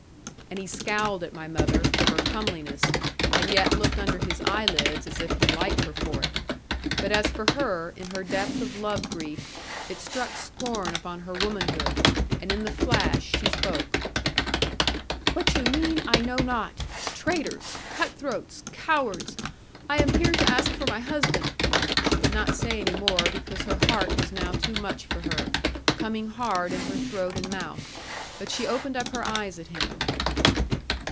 And he scowled at my mother, for her comeliness; and yet looked under his eyelids as if he liked her for it. But as for her, in her depth of love grief, it struck scorn upon her womanhood; and in the flash she spoke. 'What you mean I know not. Traitors! cut throats! cowards! I am here to ask for my husband.' She could not say any more, because her heart was now too much for her, coming hard in her throat and mouth; but she opened up her eyes at him.